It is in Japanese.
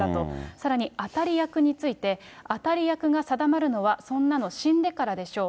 さらに当たり役について、当たり役が定まるのは、そんなの死んでからでしょう。